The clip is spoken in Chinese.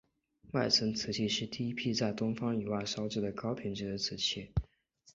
迈森瓷器是第一批在东方以外烧造的高品质的瓷器。